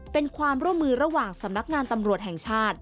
เป็นความร่วมมือระหว่างสำนักงานตำรวจแห่งชาติ